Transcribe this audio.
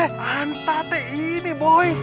berubah menjadi orang yang lebih baik